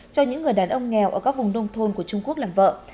cho những người đàn ông nghèo ở các vùng nông thôn của trung quốc làm vợ